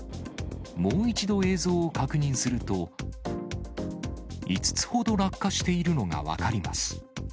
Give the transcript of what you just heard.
もう一度映像を確認すると、５つほど落下しているのが分かります。